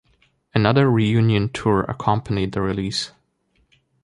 Another reunion tour accompanied the release.